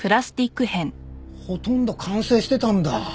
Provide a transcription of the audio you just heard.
ほとんど完成してたんだ。